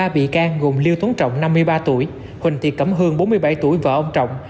ba bị can gồm lưu tuấn trọng năm mươi ba tuổi huỳnh thị cẩm hương bốn mươi bảy tuổi vợ ông trọng